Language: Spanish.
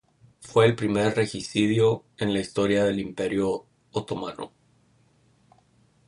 Fue el primer regicidio en la historia del Imperio otomano.